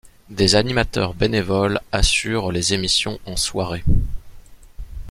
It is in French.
Des animateurs bénévoles assurent les émissions en soirée.